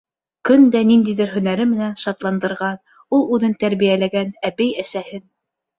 Көн дә ниндәйҙер һөнәре менән шатландырған ул үҙен тәрбиәләгән әбей-әсәһен.